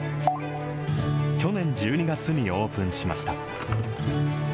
去年１２月にオープンしました。